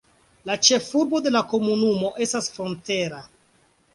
La ĉefurbo de la komunumo estas Frontera.